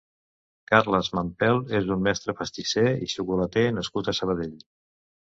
Carles Mampel és un mestre pastisser i xocolater nascut a Sabadell.